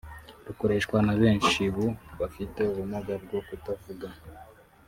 rukoreshwa na benshi bu bafite ubumuga bwo kutavuga